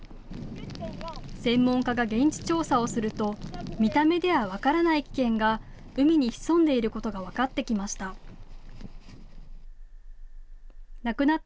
専門家が現地調査をすると見た目では分からない危険が海に潜んでいることが分かってきました。